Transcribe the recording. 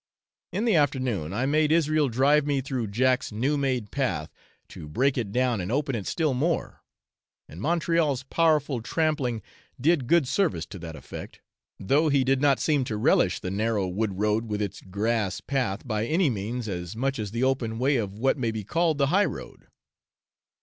In the afternoon, I made Israel drive me through Jack's new made path to break it down and open it still more, and Montreal's powerful trampling did good service to that effect, though he did not seem to relish the narrow wood road with its grass path by any means as much as the open way of what may be called the high road.